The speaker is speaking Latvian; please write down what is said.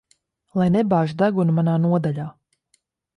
Lai nebāž degunu manā nodaļā.